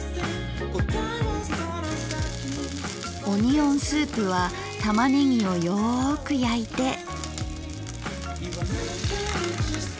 オニオンスープはたまねぎをよく焼いて。